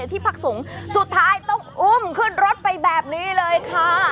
ที่พักสงฆ์สุดท้ายต้องอุ้มขึ้นรถไปแบบนี้เลยค่ะ